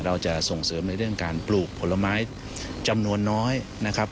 เราจะส่งเสริมในเรื่องการปลูกผลไม้จำนวนน้อยนะครับ